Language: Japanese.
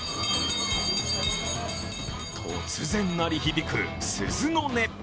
突然鳴り響く鈴の音。